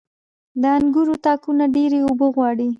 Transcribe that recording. • د انګورو تاکونه ډيرې اوبه غواړي.